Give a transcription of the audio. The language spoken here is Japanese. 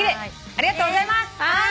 ありがとうございます。